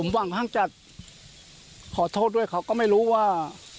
หวังห้างจะขอโทษด้วยเขาก็ไม่รู้ว่า